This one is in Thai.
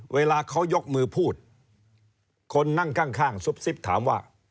เวลาเขายกมือพูดคนนั่งข้างซุบซิบถามว่า